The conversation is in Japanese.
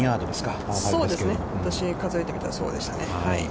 そうですね、数えてみたら、そうでしたね。